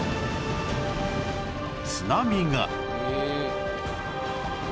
津波が